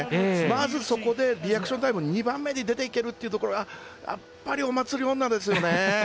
まずそこでリアクションタイム２番目に出ていけるというのはやっぱりお祭り女ですよね！